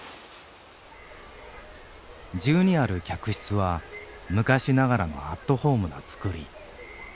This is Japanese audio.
１２ある客室は昔ながらのアットホームなつくり。